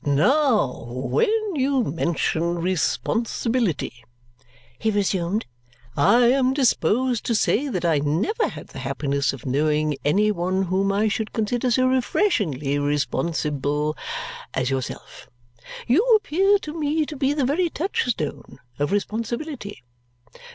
"Now, when you mention responsibility," he resumed, "I am disposed to say that I never had the happiness of knowing any one whom I should consider so refreshingly responsible as yourself. You appear to me to be the very touchstone of responsibility.